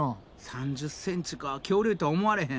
３０ｃｍか恐竜とは思われへん。